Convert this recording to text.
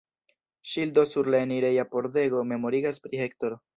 Ŝildo sur la enireja pordego memorigas pri Hector.